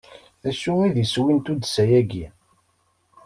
D acu i d iswi n tuddsa-agi?